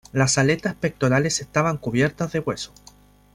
Las aletas pectorales estaban cubiertas de hueso.